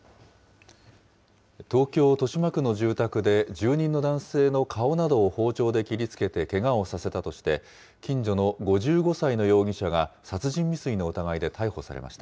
東京・豊島区の住宅で住人の男性の顔などを包丁で切りつけてけがをさせたとして、近所の５５歳の容疑者が殺人未遂の疑いで逮捕されました。